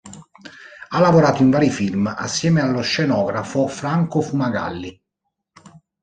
Ha lavorato in vari film assieme allo scenografo Franco Fumagalli.